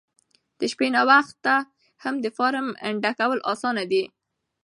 د شپې ناوخته هم د فارم ډکول اسانه دي.